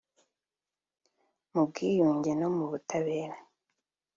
mu bwiyunge no mu butabera